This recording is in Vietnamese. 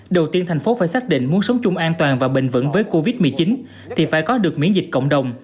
đầu tiên thành phố phải xác định muốn sống chung an toàn và bền vững với covid một mươi chín thì phải có được miễn dịch cộng đồng